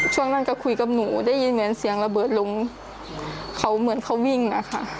ช่วงนั้นก็คุยกับหนูได้ยินเหมือนเสียงระเบิดลงเขาเหมือนเขาวิ่งนะคะ